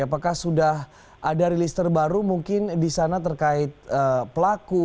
apakah sudah ada rilis terbaru mungkin disana terkait pelaku